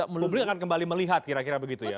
publik akan kembali melihat kira kira begitu ya